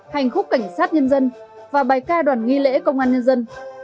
hành khúc cảnh sát nhân dân và bài ca đoàn nghi lễ công an nhân dân